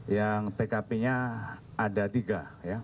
yang tkp nya ada tiga